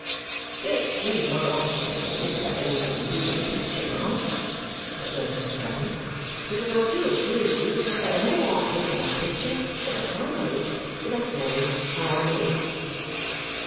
"You'll excuse my asking again if it has anything to do with a picture, ma'am," observes Mr. Guppy, "because I do assure you that the more I think of that picture the better I know it, without knowing how I know it!"